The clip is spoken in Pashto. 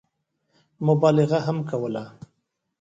مبالغه هم کوله.